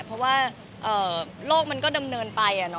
เพราะว่าโลกมันก็ดำเนินไป